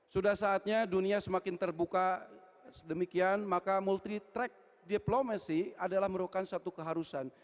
sudah saatnya dunia semakin terbuka maka multitrack diplomasi adalah merupakan satu keharusan